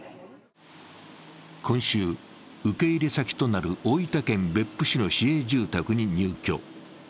今週、受け入れ先となる大分県別府市の市営住宅に入居。